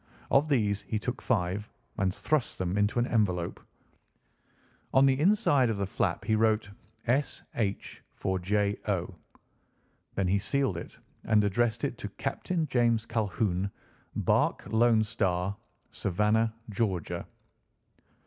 Of these he took five and thrust them into an envelope. On the inside of the flap he wrote "S. H. for J. O." Then he sealed it and addressed it to "Captain James Calhoun, Barque Lone Star, Savannah, Georgia."